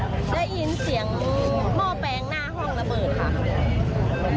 ได้ยินเสียงหม้อแปลงหน้าห้องระเบิดค่ะ